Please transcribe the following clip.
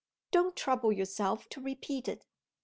Don't trouble yourself to repeat it."